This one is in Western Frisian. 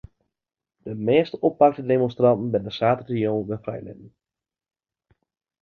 De measte oppakte demonstranten binne saterdeitejûn wer frijlitten.